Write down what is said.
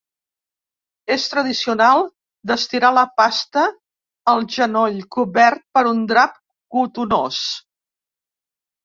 És tradicional d'estirar la pasta al genoll, cobert per un drap cotonós.